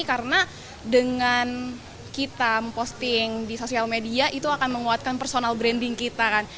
karena dengan kita memposting di sosial media itu akan menguatkan personal branding kita kan